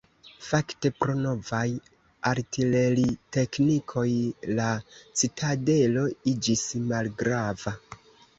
Fakte pro novaj artileriteknikoj la citadelo iĝis malgrava.